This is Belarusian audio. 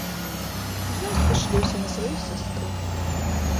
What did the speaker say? Зноў спашлюся на сваю сястру.